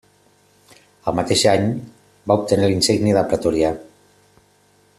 El mateix any va obtenir la insígnia de pretorià.